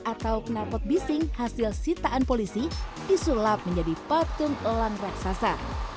atau kenalpot bising hasil sitaan polisi disulap menjadi patung elang raksasa